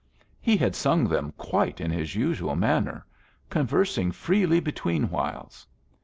He had sung them quite in his usual manner, conversing freely between whiles.